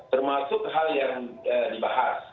termasuk hal yang dibahas